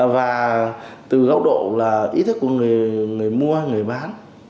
và từ góc độ là ý thức của người mua người bán